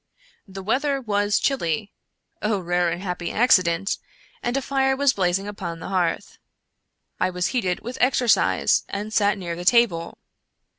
The weather was chilly (oh, rare and happy accident!), and a fire was blazing upon the hearth, I was heated with exer cise and sat near the table.